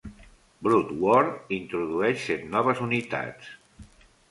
"Brood War" introdueix set noves unitats.